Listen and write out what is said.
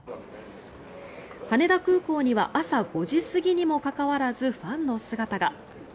羽田空港には朝５時過ぎにもかかわらずファンの姿が。